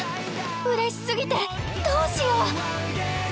うれしすぎてどうしよう！？